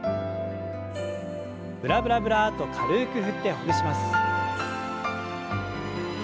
ブラブラブラッと軽く振ってほぐします。